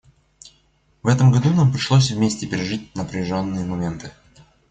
В этом году нам пришлось вместе пережить напряженные моменты.